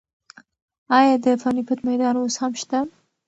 ایا د پاني پت میدان اوس هم شته؟